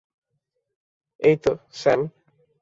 এই তো, স্যাম।